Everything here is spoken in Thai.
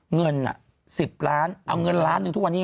เงิน๑๐ล้านเอาเงินล้านหนึ่งทุกวันนี้